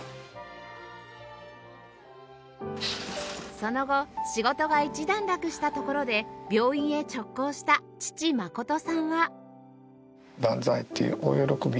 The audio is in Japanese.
その後仕事が一段落したところで病院へ直行した父信さんは